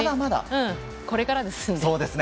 これからですので。